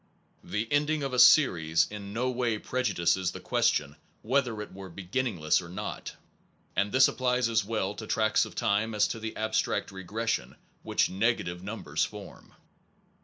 The ending of a series in no way prejudices the question whether it were beginningless or not; and this applies as well to tracts of time as to the abstract regression which negative numbers form.